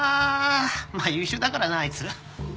まぁ優秀だからなあいつ。